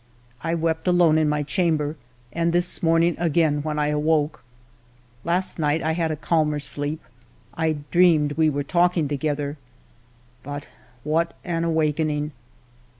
I wept alone in my chamber, and this morning again when I awoke. Last night I had a calmer sleep ; I ALFRED DREYFUS 6i dreamed we were talking together. But what an awakening